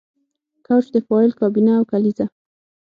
کوچ د فایل کابینه او کلیزه